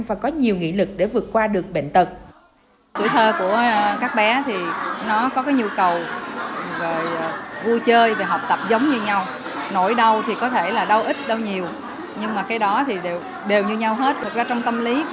và có nhiều nghị lực để vượt qua được bệnh tật